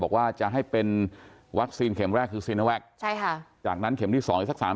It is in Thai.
บอกว่าจะให้เป็นวัคซีนเข็มแรกคือใช่ค่ะจากนั้นเข็มที่สอง